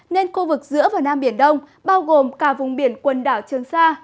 nên khu vực giữa và nam biển đông bao gồm cả vùng biển quần đảo trường sa